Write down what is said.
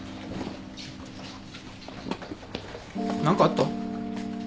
何かあった？